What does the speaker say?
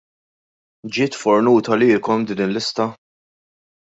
Giet fornuta lilkom din il-lista?